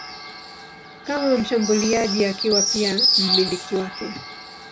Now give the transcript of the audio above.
kama mshambuliaji akiwa pia mmiliki wake.